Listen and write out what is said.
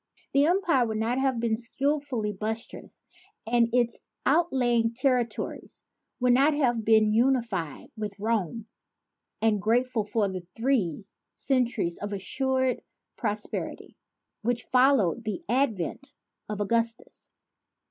The empire would not have been skilfully buttressed and its outlying territories would not have been unified with Rome and grateful for the three centuries of assured pros perity which followed the advent of Augustus.